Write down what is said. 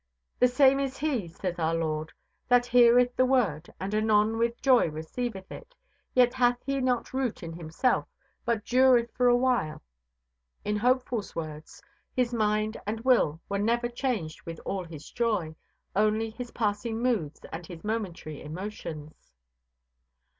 The same is he, says our Lord, that heareth the word, and anon with joy receiveth it; yet hath he not root in himself, but dureth for a while. In Hopeful's words, his mind and will were never changed with all his joy, only his passing moods and his momentary emotions.